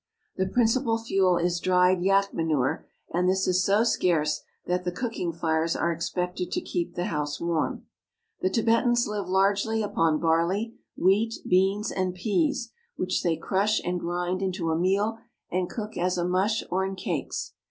The principal fuel is dried yak manure ; and this is so scarce that the cooking fires are expected to keep the house warm. The Tibetans live largely upon barley, wheat, beans, and peas, which they crush and grind into a meal and cook as a mush or in cakes.